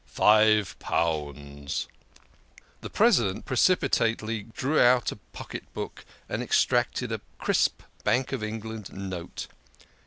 " "Five pounds." The President precipitately drew out a pocket book and extracted a crisp Bank of England note.